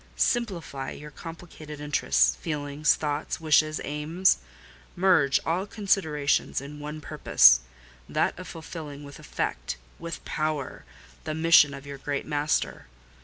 Simplify your complicated interests, feelings, thoughts, wishes, aims; merge all considerations in one purpose: that of fulfilling with effect—with power—the mission of your great Master.